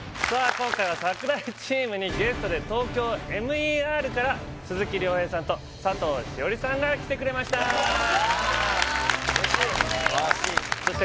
今回は櫻井チームにゲストで「ＴＯＫＹＯＭＥＲ」から鈴木亮平さんと佐藤栞里さんが来てくれましたお願いします